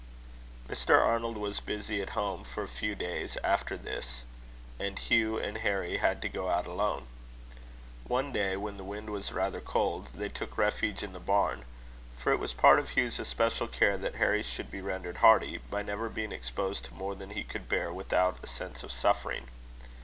Mr. Arnold was busy at home for a few days after this, and Hugh and Harry had to go out alone. One day, when the wind was rather cold, they took refuge in the barn; for it was part of Hugh's especial care that Harry should be rendered hardy, by never being exposed to more than he could bear without a sense of suffering.